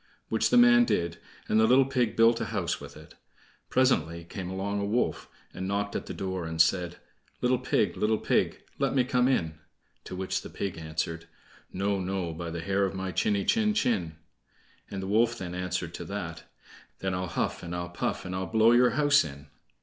Which the man did, and the little pig built a house with it. Presently came along a wolf, and knocked at the door, and said: "Little pig, little pig, let me come in." To which the pig answered: "No, no, by the hair of my chiny chin chin." The wolf then answered to that: "Then I'll huff, and I'll puff, and I'll blow your house in."